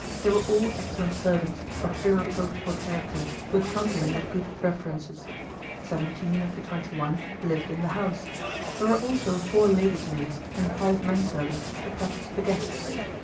They were all excellent servants, of irreproachable character, who had come to him with good references. Seventeen of the twenty one lived in the house. There were also four lady's maids and five men servants attached to the guests.